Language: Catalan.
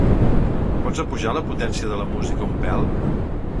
Pots apujar la potència de la música un pèl?